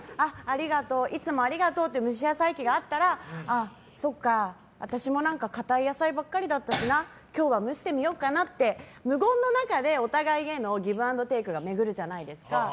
いつもありがとうって蒸し野菜器があったらそっか、私も硬い野菜ばっかりだったしな今日は蒸してみようかなって無言の中でお互いへのギブ・アンド・テイクが巡るじゃないですか。